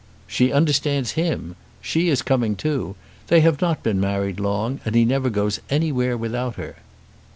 "She understands him. She is coming too. They have not been married long, and he never goes anywhere without her."